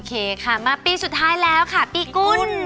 เคค่ะมาปีสุดท้ายแล้วค่ะปีกุล